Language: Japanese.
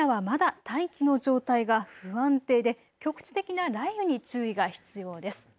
今夜はまだ大気の状態が不安定で局地的な雷雨に注意が必要です。